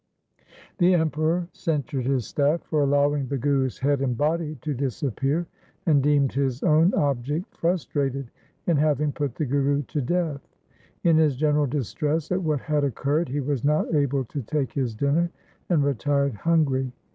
The Emperor censured his staff for allowing the Guru's head and body to disappear, and deemed his own object frustrated in having put the Guru to death. In his general distress at what had occurred he was not able to take his dinner, and retired hungry.